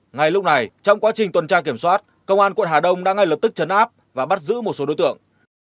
ngay lúc này trong quá trình tuần tra kiểm soát công an quận hà đông đã ngay lập tức chấn áp và bắt giữ một số đối tượng